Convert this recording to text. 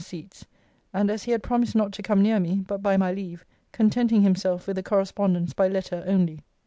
's seats; and as he had promised not to come near me, but by my leave; contenting himself with a correspondence by letter only.